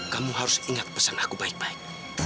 kamu harus ingat pesan aku baik baik